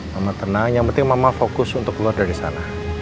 mama tenang yang penting mama fokus untuk keluar dari sana